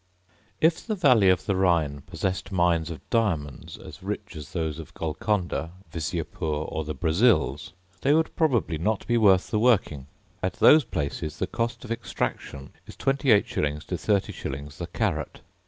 If the valley of the Rhine possessed mines of diamonds as rich as those of Golconda, Visiapoor, or the Brazils, they would probably not be worth the working: at those places the cost of extraction is 28s. to 30s. the carat.